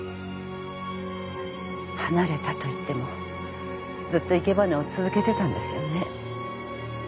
離れたといってもずっと生け花を続けてたんですよね。